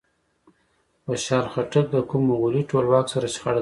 خوشحال خټک له کوم مغولي ټولواک سره شخړه درلوده؟